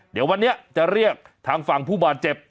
เดี๋ยววันนี้จะเรียกทางฝั่งผู้บาดเจ็บ